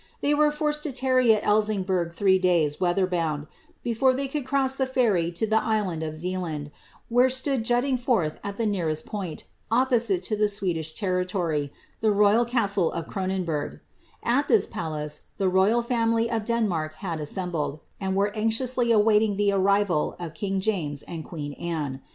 Thpv were forced i, weather bound, before ihey could cros; the ferrj' to (he island of Zealand, where stood jutting forth al the neares point, opposite to the Swedish territory, the royal casilc of Cronenburg At ihia palace, the royal Jamily of Denmark had assembled, and weri anxiously awaiting the arrivol of king James and queen Anne.